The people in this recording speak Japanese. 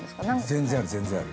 ◆全然ある、全然ある。